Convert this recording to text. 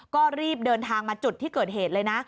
ก็รีบเดินทางมาจุดที่เกิดเหตุเลยนะ